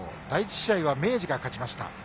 第１試合は明治が勝ちました。